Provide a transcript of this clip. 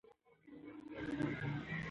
کلي د افغانستان د صادراتو یوه برخه ده.